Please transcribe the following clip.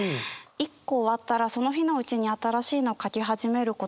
一個終わったらその日のうちに新しいのを書き始めることにしていて